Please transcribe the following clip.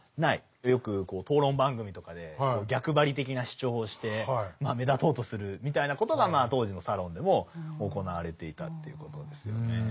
よく討論番組とかで逆張り的な主張をして目立とうとするみたいなことが当時のサロンでも行われていたということですよね。